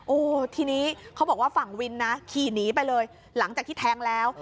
โอ้โหทีนี้เขาบอกว่าฝั่งวินนะขี่หนีไปเลยหลังจากที่แทงแล้ว